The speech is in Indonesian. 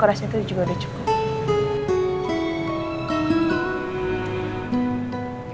aku rasa itu juga udah cukup